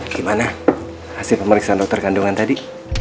gimana hasil pemeriksaan dokter kandungan tadi